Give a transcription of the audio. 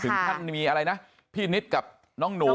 ท่านมีอะไรนะพี่นิดกับน้องหนู